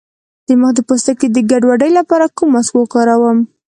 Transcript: د مخ د پوستکي د ګډوډۍ لپاره کوم ماسک وکاروم؟